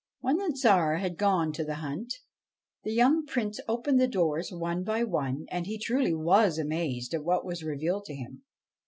When the Tsar had gone to the hunt, the young Prince opened the doors one by one, and he was truly amazed at what was revealed to him.